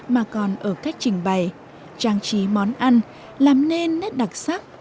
mà còn ở cách trình bày trang trí món ăn làm nên nét đặc sắc